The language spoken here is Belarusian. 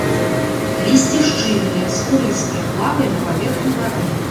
Лісце шчыльнае, скурыстае, плавае на паверхні вады.